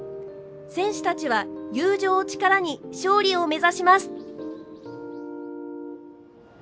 選手たちは友情を力に勝利を目指します。